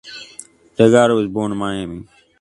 Delgado was born in Miami.